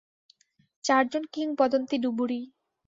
চারজন কিংবদন্তী ডুবুরি।